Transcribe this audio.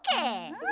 うん！